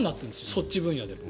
そっち分野では。